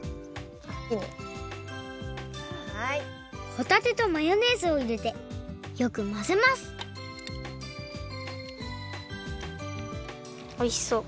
ホタテとマヨネーズをいれてよくまぜますおいしそう。